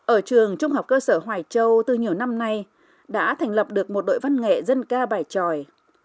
ở trường trung học cơ sở hoài châu từ nhiều năm nay đã thành lập được một đội văn nghệ dân ca bài tròi